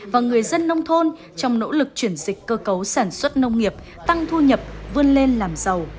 và người dân nông thôn trong nỗ lực chuyển dịch cơ cấu sản xuất nông nghiệp tăng thu nhập vươn lên làm giàu